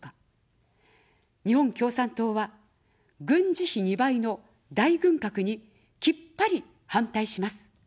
日本共産党は、軍事費２倍の大軍拡にきっぱり反対します。